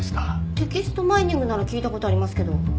テキストマイニングなら聞いた事ありますけど。